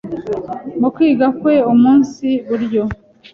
mu kwiga kwe umunsi buryo